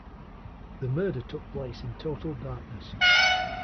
The murder took place in total darkness.